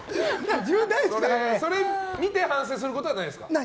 それを見て反省することはないんですか？